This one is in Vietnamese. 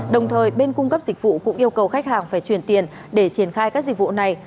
đồng thời bên cung cấp dịch vụ cũng yêu cầu khách hàng phải chuyển tiền để triển khai các dịch vụ này